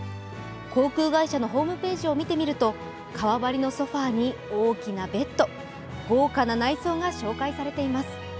航空会社のホームページを見てみると、革張りのソファーに大きなベッド豪華な内装が紹介されています。